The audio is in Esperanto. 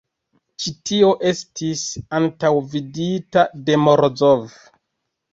Ĉi tio estis antaŭvidita de Morozov.